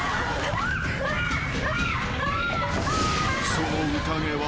［その宴は］